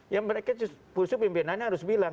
ya mereka justru pimpinannya harus bilang